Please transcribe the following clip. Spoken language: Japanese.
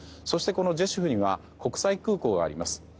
そして、このジェシュフには国際空港があります。